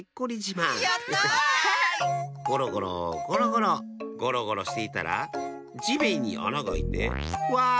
ゴロゴロゴロゴロゴロゴロしていたらじめんにあながあいてわ！